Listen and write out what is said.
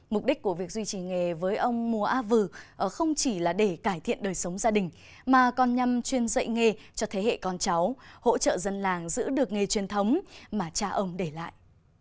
mục đích của việc duy trì nghề với ông mùa á vừ không chỉ là để cải thiện đời sống gia đình mà còn nhằm chuyên dạy nghề cho thế hệ con cháu hỗ trợ dân làng giữ được nghề truyền thống mà cha ông để lại